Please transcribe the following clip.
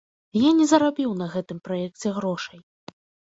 Я не зарабіў на гэтым праекце грошай.